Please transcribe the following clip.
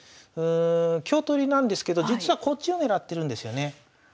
香取りなんですけど実はこっちを狙ってるんですよね。